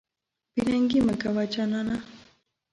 بې ننګي مه کوه جانانه.